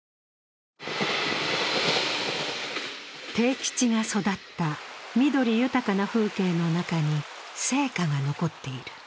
悌吉が育った緑豊かな風景の中に生家が残っている。